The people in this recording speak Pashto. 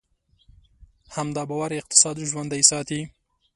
همدا باور اقتصاد ژوندی ساتي.